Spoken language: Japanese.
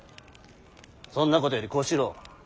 そんなことより小四郎。